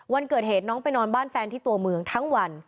วันเกิดเหตุน้องไปนอนบ้านแฟนที่ตัวเมืองทั้งวัน